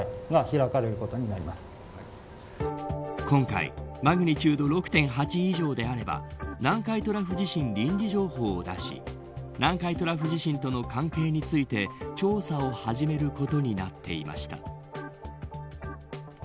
今回、マグニチュード６．８以上であれば南海トラフ地震臨時情報を出し南海トラフ地震との関係について調査を始めることになっていました。